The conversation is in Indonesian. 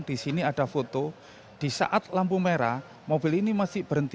di sini ada foto di saat lampu merah mobil ini masih berhenti